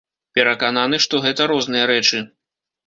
Перакананы, што гэта розныя рэчы.